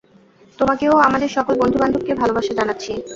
তোমাকে ও আমাদের সকল বন্ধুবান্ধবকে ভালবাসা জানাচ্ছি।